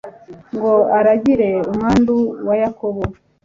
ngo aragire umwandu wa yakobo